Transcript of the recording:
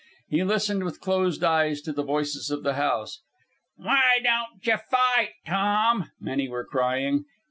He listened with closed eyes to the voices of the house, "Why don't yeh fight, Tom?" many were crying.